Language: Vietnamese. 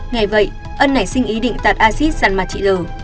ngày vậy ân nảy sinh ý định tạt acid săn mặt chị l